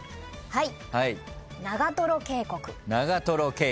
はい。